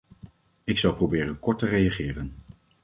Ik zal proberen kort te reageren.